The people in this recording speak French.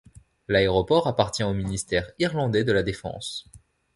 L’aéroport appartient au ministère irlandais de la défense.